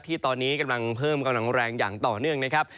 ที่ตอนนี้กำลังเพิ่มกำลังแรงอย่างต่อเนื่องนะครับ